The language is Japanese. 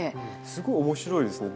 すごい面白いですね。